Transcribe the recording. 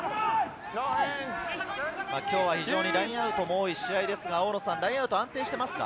今日は非常にラインアウトが多い試合ですが安定していますか？